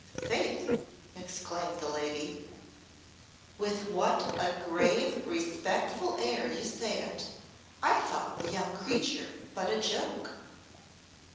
"Faith!" exclaimed the lady, "with what a grave, respectful air you say it. I thought the young creature but a joke."